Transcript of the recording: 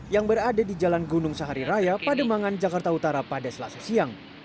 yang berada di jalan gunung sahari raya pademangan jakarta utara pada selasa siang